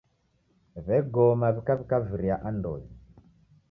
W'egoma w'ikaw'ika viria andonyi.